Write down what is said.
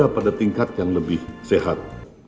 dan juga pada tingkat yang lebih sehat